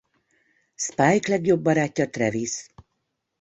Spike legjobb barátja Travis.